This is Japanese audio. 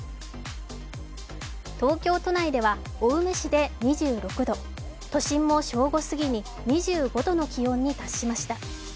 東京都内では青梅市で２６度都心も正午過ぎに２５度の気温に達しました。